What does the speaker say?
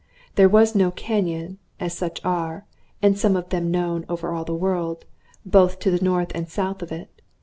There was no canyon, such as are and some of them known over all the world both to the north and south of it.